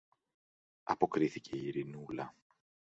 αποκρίθηκε η Ειρηνούλα.